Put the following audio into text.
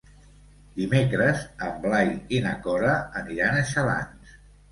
Dimecres en Blai i na Cora aniran a Xalans.